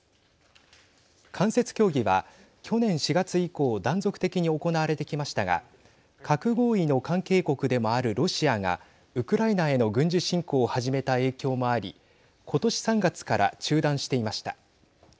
間接協議は、去年４月以降断続的に行われてきましたが核合意の関係国でもあるロシアがウクライナへの軍事侵攻を始めた影響もありことし３月から中断していました。